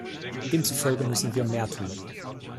Demzufolge müssen wir mehr tun.